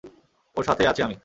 ওর সাথেই আছি আমি।